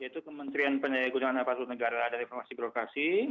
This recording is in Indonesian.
yaitu kementerian penyelidikan aparat negara dan informasi berlokasi